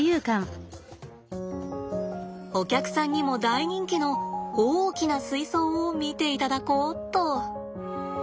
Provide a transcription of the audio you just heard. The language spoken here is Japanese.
お客さんにも大人気の大きな水槽を見ていただこうっと。